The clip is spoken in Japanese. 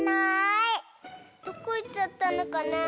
どこいっちゃったのかな？